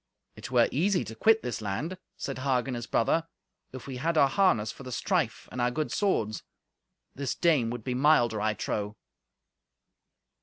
"It were easy to quit this land," said Hagen, his brother, "if we had our harness for the strife, and our good swords. This dame would be milder, I trow."